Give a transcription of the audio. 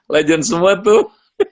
legends semua tuh